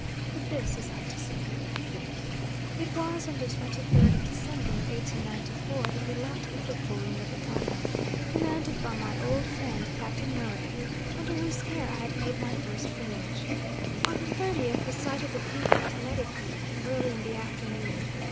But this is anticipating. It was on the 23rd of December, 1894, that we left Liverpool in the Batanga, commanded by my old friend Captain Murray, under whose care I had made my first voyage. On the 30th we sighted the Peak of Teneriffe early in the afternoon.